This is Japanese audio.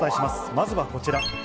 まずはこちら。